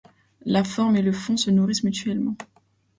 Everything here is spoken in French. La forme et le fond se nourrissent mutuellement.